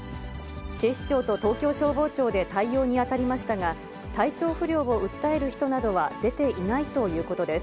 警視庁と東京消防庁で対応に当たりましたが、体調不良を訴える人などは出ていないということです。